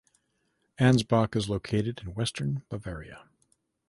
Ansbach is located in western Bavaria.